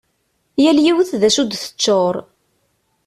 Yal yiwet d acu i d-teččur.